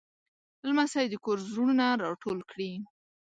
لمسی د کور زړونه راټول کړي.